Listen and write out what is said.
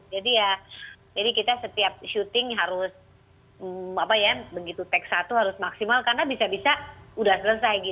jadi ya jadi kita setiap shooting harus apa ya begitu take satu harus maksimal karena bisa bisa udah selesai gitu